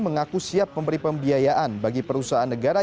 mengaku siap memberi pembiayaan bagi perusahaan negara